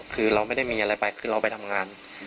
คือเราไม่ได้มีอะไรไปคือเราไปทำงาน